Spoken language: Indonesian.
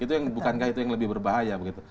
itu yang bukankah itu yang lebih berbahaya begitu